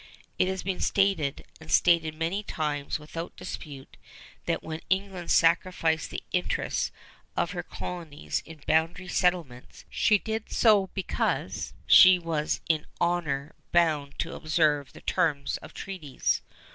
It has been stated, and stated many times without dispute, that when England sacrificed the interests of her colonies in boundary settlements, she did so because she was in honor bound to observe the terms of treaties.